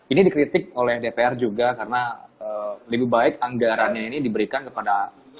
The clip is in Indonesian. ini dikritik oleh dpr juga karena lebih baik anggarannya ini diberikan kepada